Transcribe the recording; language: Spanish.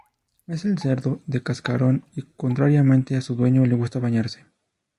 Es el cerdo de Cascarón, y contrariamente a su dueño, le gusta bañarse.